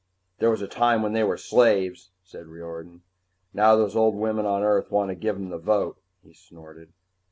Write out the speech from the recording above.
"There was a time when they were slaves," said Riordan. "Now those old women on Earth want to give 'em the vote." He snorted.